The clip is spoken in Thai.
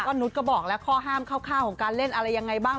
นุษย์ก็บอกแล้วข้อห้ามคร่าวของการเล่นอะไรยังไงบ้าง